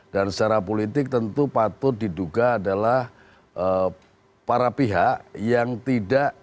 dan secara politik tentu patut diduga adalah para pihak yang tidak